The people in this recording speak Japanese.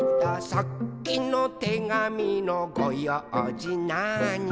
「さっきのてがみのごようじなーに」